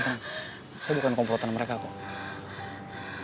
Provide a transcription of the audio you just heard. saya bukan komplotan mereka kok